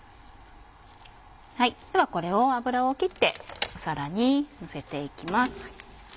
ではこれを油を切って皿にのせていきます。